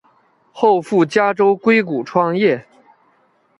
后赴加州硅谷创业。